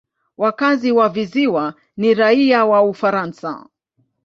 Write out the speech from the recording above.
Wakazi wa visiwa ni raia wa Ufaransa.